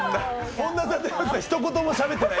本田さん、一言もしゃべってない。